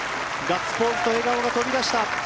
ガッツポーズと笑顔が飛び出した。